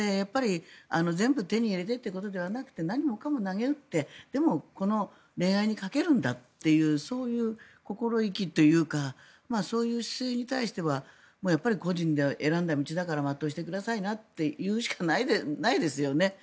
全部手に入れたいということではなくて何もかもなげうってでも、この恋愛にかけるんだというそういう心意気というかそういう姿勢に対しては個人で選んだ道だから全うしてくださいなと言うしかないですよね。